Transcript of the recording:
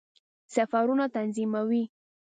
سفرونه تنظیموي.